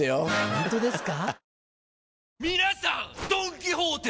ホントですか？